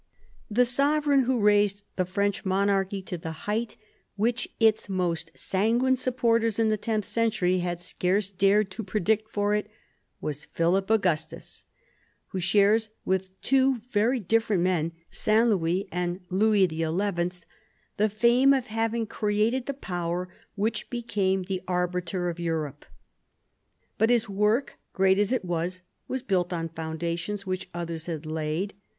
The sovereign who raised the French monarchy to the height which its most sanguine supporters in the tenth century had scarce dared to predict for it was Philip Augustus, who shares with two very different men — S. Louis and Louis XL — the fame of having created the power which became the arbiter of Europe. But his work, great as it was, was built on foundations which others had laid.